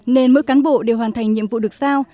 nên mỗi cán bộ đều hoàn thành nhiệm vụ được sao